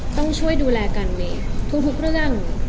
ต้องช่วยดูแลกันเวย์ทุกเรื่อง